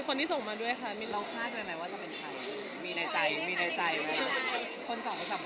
คนสองหรือสามคน